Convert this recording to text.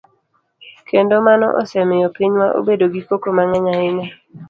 Kendo mano osemiyo pinywa obedo gi koko mang'eny ahinya.